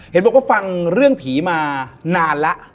เห็นบอกว่าฟังเรื่องผีมานานแล้ว